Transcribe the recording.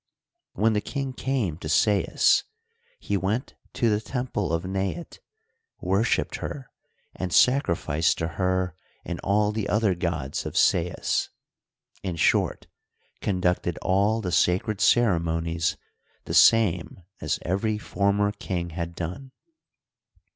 When the king came to Sais he went to the temple of Neit, worshiped her, and sacrificed to her and all the other gods of Sais ; in short, conducted all the sacred cere monies the same as every former king had done.